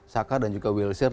saka dan juga wiltshire